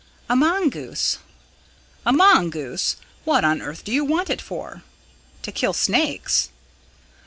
"A mongoose." "A mongoose! What on earth do you want it for?" "To kill snakes."